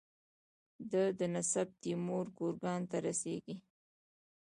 د ده نسب تیمور ګورکان ته رسیږي.